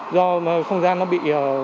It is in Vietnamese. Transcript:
do không gian nó bị